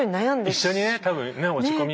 一緒にね多分ね落ち込みますもんね。